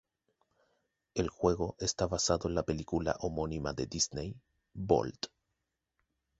El juego está basado en la película homónima de Disney, Bolt.